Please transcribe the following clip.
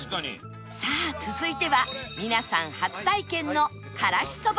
さあ続いては皆さん初体験のからしそば